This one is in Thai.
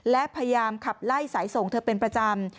และพยายามขับไล่สายส่งเธอเป็นประจำ